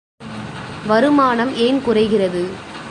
வருமானம் ஏன் குறைகிறது?